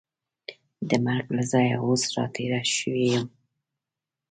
د مرګ له ځایه اوس را تېره شوې یم.